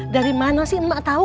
dari mana sih emak tahu